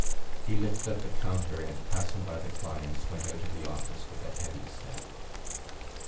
He lifted up the counter and, passing by the clients, went out of the office with a heavy step.